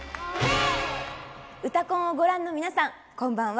「うたコン」をご覧の皆さん、こんばんは。